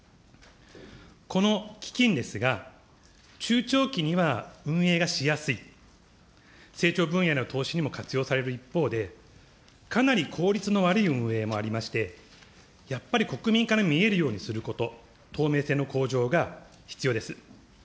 この基金ですが、中長期には運営がしやすい、成長分野の投資にも活用される一方で、かなり効率の悪い運営もありまして、やっぱり国民から見えるようにすること、透明性の向上が必要です。